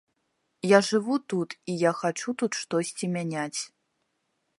Я жыву тут і я хачу тут штосьці мяняць.